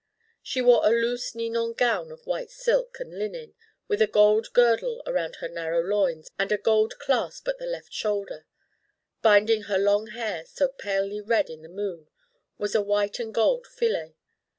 She wore a loose ninon gown of white silk and linen with a gold girdle around her narrow loins and a gold clasp at the left shoulder. Binding her long hair, so palely red in the moon, was a white and gold fillet.